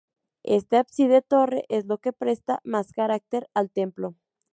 Este ábside-torre es lo que presta más carácter al templo.